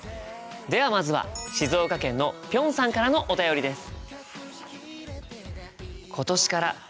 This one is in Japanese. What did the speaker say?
ではまずは静岡県のぴょんさんからのお便りです。